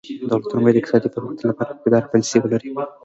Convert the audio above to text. دولتونه باید د اقتصادي پرمختګ لپاره پایداره پالیسي ولري.